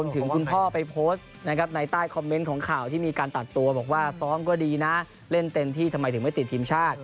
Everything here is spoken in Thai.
เล่นเต็มที่ที่ทำไมถึงไม่ติดทีมชาติ